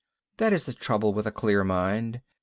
That is the trouble with a clear mind.